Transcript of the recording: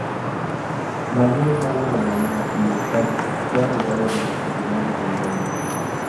Manuel Malo de Molina y Hurtado fue abogado de los tribunales del Reino.